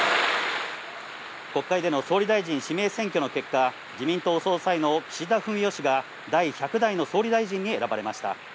国会での総理大臣指名選挙の結果、自民党総裁の岸田文雄氏が第１００代の総理大臣に選ばれました。